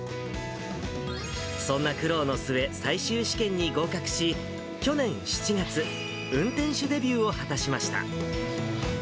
そんな苦労の末、最終試験に合格し、去年７月、運転手デビューを果たしました。